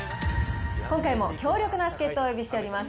今回も強力な助っ人をお呼びしております。